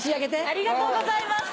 ありがとうございます。